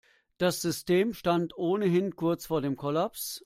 Das System stand ohnehin kurz vor dem Kollaps.